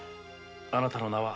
あなたの名は？